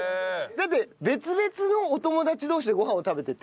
だって別々のお友達同士でご飯を食べてて。